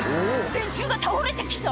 電柱が倒れて来た！